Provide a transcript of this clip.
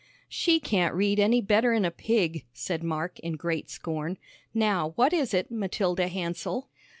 "She can't read any better'n a pig," said Mark in great scorn. "Now, what is it, Matilda Hansell?"